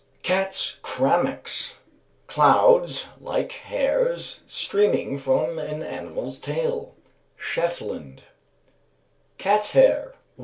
_). Cat's Crammocks. Clouds like hairs streaming from an animal's tail (Shetland). _Cat's Hair.